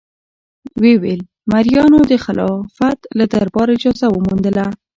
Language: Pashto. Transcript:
ویې ویل: مریانو د خلافت له دربار اجازه وموندله.